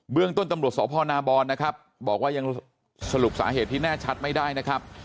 เรื่องต้นตำรวจสพนาบรนะครับบอกว่ายังสรุปสาเหตุที่แน่ชัดไม่ได้นะครับ